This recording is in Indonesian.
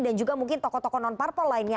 dan juga mungkin tokoh tokoh non parpol lainnya